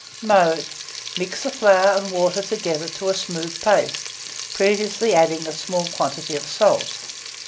Mode. Mix the flour and water together to a smooth paste, previously adding a small quantity of salt.